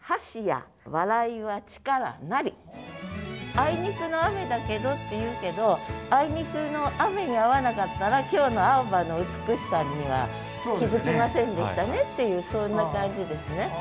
「あいにくの雨だけど」っていうけどあいにくの雨にあわなかったら今日の青葉の美しさには気付きませんでしたねっていうそんな感じですね。